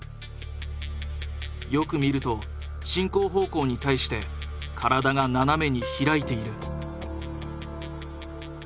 よく見ると進行方向に対して体が斜めに開いている。